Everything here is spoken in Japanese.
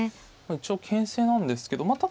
一応けん制なんですけどまあ